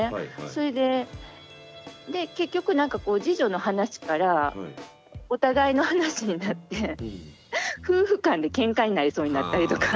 それでで結局何かこう次女の話からお互いの話になって夫婦間でケンカになりそうになったりとか。